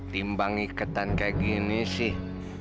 timbang iketan kayak gini sih